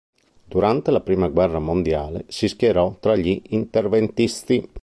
Durante la prima guerra mondiale si schierò tra gli interventisti.